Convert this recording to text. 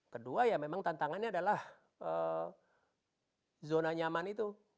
kedua ya memang tantangannya adalah zona nyaman itu